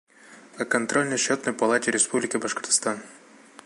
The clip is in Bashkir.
«О Контрольно-счетной палате Республики Башкортостан»